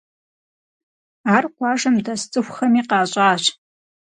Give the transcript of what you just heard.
Ар къуажэм дэс цӀыхухэми къащӀащ.